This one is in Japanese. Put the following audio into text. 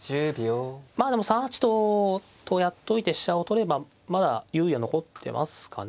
まあでも３八ととやっといて飛車を取ればまだ猶予残ってますかね。